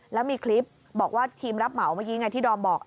แล้วมีคลิปบอกว่าทีมรับเหมาเมื่อกี้ไงที่ดอมบอก